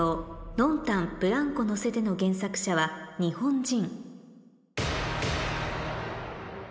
「『ノンタンぶらんこのせて』の原作者は日本人」